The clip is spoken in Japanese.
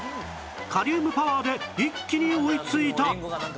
カリウムパワーで一気に追いついた